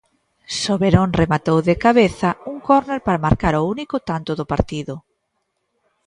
Soberón rematou de cabeza un córner para marcar o único tanto do partido.